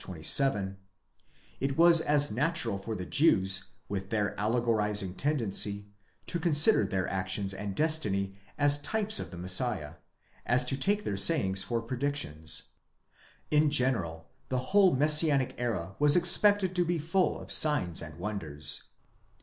27), it was as natural for the Jews, with their allegorizing tendency, to consider their actions and destiny as types of the Messiah, as to take their sayings for predictions. In general the whole Messianic era was expected to be full of signs and wonders.